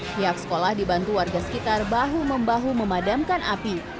pihak sekolah dibantu warga sekitar bahu membahu memadamkan api